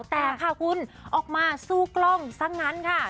แต่ค่ะคุณออกมาสู้กล้องซะงั้นค่ะ